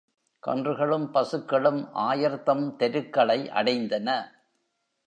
கன்றுகளும், பசுக்களும், ஆயர்தம் தெருக்களை அடைந்தன.